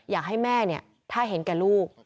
อยากให้แม่ถ้าเห็นแก่ลูก